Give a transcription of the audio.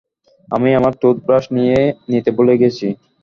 আমি আমার টুথব্রাশ নিতে ভুলে গেছি।